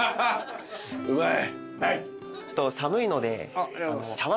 うまい。